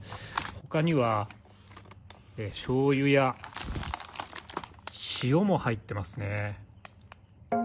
ほかにはしょうゆや塩も入っていますね。